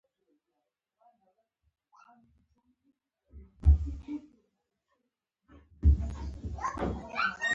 چې خداى دې ژر زما پر مخ ږيره راولي.